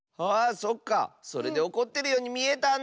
それでおこってるようにみえたんだ！